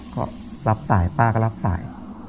ก็รับสายป้าก็รับสาย